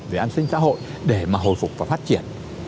về an sinh xã hội để mà hồi phục và phát triển